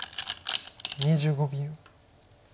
２５秒。